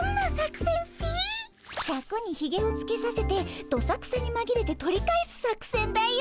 シャクにひげをつけさせてどさくさにまぎれて取り返す作戦だよ。